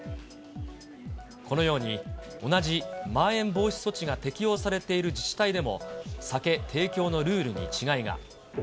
このように、同じまん延防止措置が適用されている自治体でも、酒提供のルールに違いが。